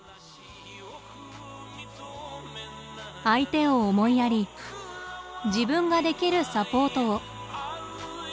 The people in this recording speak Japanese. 相手を思いやり自分ができるサポートを。